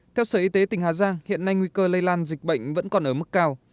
theo sở y tế tỉnh hà giang hiện nay nguy cơ lây lan dịch bệnh vẫn còn ở mức cao